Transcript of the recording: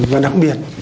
và đặc biệt